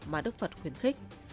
mà đức phật khuyến khích